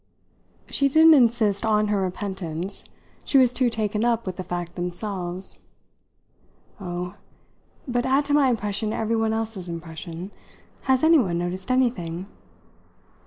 She didn't insist on her repentance; she was too taken up with the facts themselves. "Oh, but add to my impression everyone else's impression! Has anyone noticed anything?"